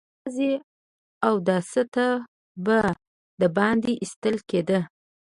يواځې اوداسه ته به د باندې ايستل کېده.